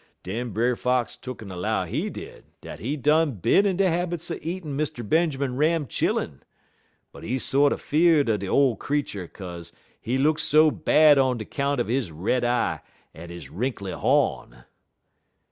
"Den Brer Fox tuck'n 'low, he did, dat he done bin in de habits er eatin' Mr. Benjermun Ram chillun, but he sorter fear'd er de ole creetur 'kaze he look so bad on de 'count er he red eye en he wrinkly hawn.